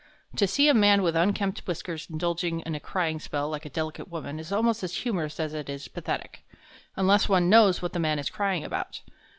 To see a man with unkempt whiskers indulging in a crying spell like a delicate woman, is almost as humorous as it is pathetic, unless one knows what the man is crying about.